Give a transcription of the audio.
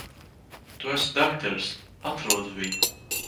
Tu esi dakteris. Atrodi viņu.